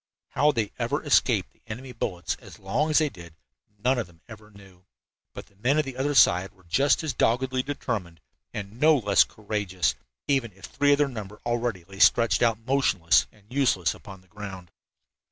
How they ever escaped the enemy bullets as long as they did none of them ever knew, but the men of the other side were just as doggedly determined, and no less courageous, even if three of their number already lay stretched out motionless and useless upon the ground.